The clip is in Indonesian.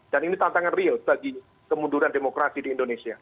dan ini tantangan real bagi kemunduran demokrasi di indonesia